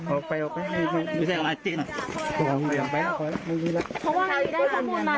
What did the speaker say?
ออกไปออกไปไม่ใช่หลายจิ้นเพราะว่าอย่างนี้ได้สมุนมา